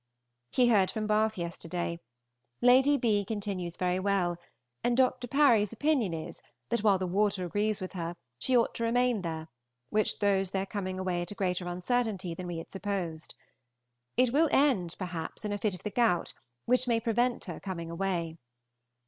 He heard from Bath yesterday. Lady B. continues very well, and Dr. Parry's opinion is, that while the water agrees with her she ought to remain there, which throws their coming away at a greater uncertainty than we had supposed. It will end, perhaps, in a fit of the gout, which may prevent her coming away.